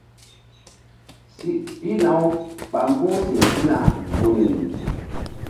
Pihna- uɓa mbu̧h siŋ sina gunri.